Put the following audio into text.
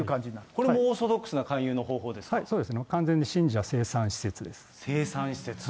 これもオーソドックスな勧誘そうですね、完全に信者生産生産施設。